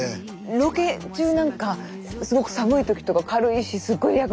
ロケ中なんかすごく寒い時とか軽いしすごい役に立ってます。